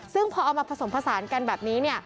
ซึ่งพอเอามาผสมผสานกันแบบนี้